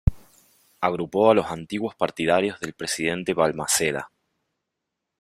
Agrupó a los antiguos partidarios del presidente Balmaceda.